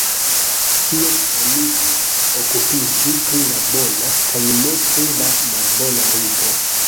Tiam oni okupiĝu pri la bona, kaj ne pri la malbona libro!